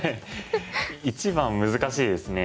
一番難しいですね。